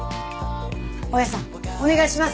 大家さんお願いします！